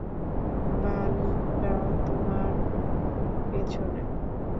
ভালুকটা তোমার পেছনে।